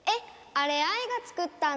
あれアイが作ったんだ。